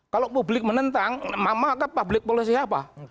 kalau publik menentang maka public policy apa